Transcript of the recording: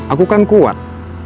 aku kan kuat